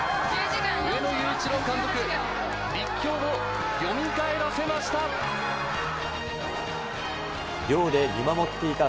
上野裕一郎監督、立教をよみがえらせました。